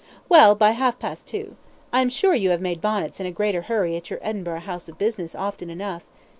"Well, by half past two. I am sure you have made bonnets in a greater hurry at your Edinburgh house of business often enough.